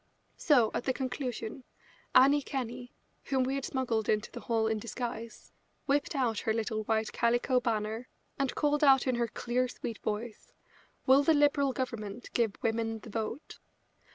So, at the conclusion, Annie Kenney, whom we had smuggled into the hall in disguise, whipped out her little white calico banner, and called out in her clear, sweet voice: "Will the Liberal Government give women the vote?"